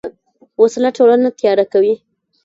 وسله ټولنه تیاره کوي